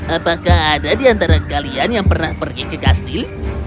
apakah ada di antara kalian yang pernah pergi ke kastil